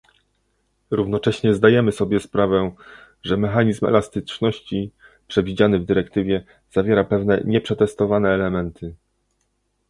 Równocześnie zdajemy sobie sprawę, że mechanizm elastyczności, przewidziany w dyrektywie, zawiera pewne nieprzetestowane elementy